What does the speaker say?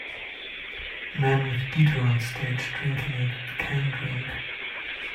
man with guitar on stage drinking a can drink.